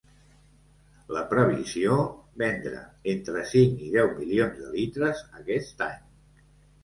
La previsió vendre entre cinc i deu milions de litres aquest any.